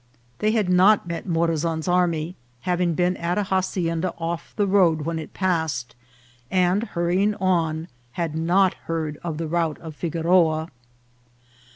They had not met Mora zan's army, having been at a hacienda off the road when it passed, and hurrying on, had not heard of the rout of Figoroa.